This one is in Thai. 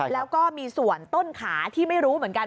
แล้วก็มีส่วนต้นขาที่ไม่รู้เหมือนกัน